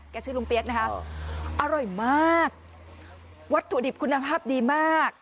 ชื่อลุงเปี๊ยกนะคะอร่อยมากวัตถุดิบคุณภาพดีมาก